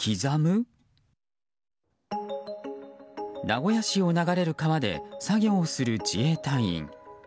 名古屋市を流れる川で作業をする自衛隊員。